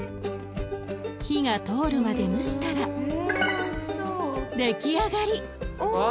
火が通るまで蒸したら出来上がり。わ。